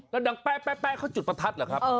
สูบสูบซุดประตัดล่ะครับ